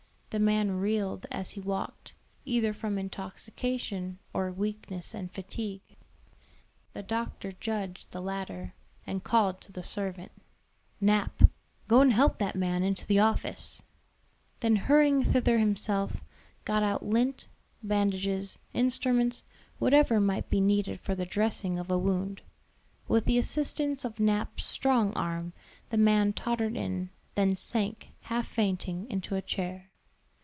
The man reeled as he walked, either from intoxication or weakness and fatigue. The doctor judged the latter, and called to a servant, "Nap, go and help that man into the office." Then hurrying thither himself, got out lint, bandages, instruments, whatever might be needed for the dressing of a wound. With the assistance of Nap's strong arm, the man tottered in, then sank, half fainting, into a chair.